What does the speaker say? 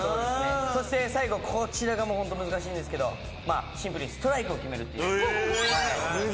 そして最後こちらが難しいんですけどシンプルにストライクを決めるっていう。